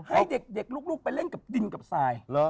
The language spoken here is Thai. ให้เด็กลูกไปเล่นกับดินกับทราย